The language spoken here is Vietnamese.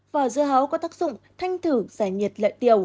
vỏ dưa hấu có tác dụng thanh thử giải nhiệt lợi tiểu